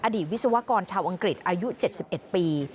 วิศวกรชาวอังกฤษอายุ๗๑ปี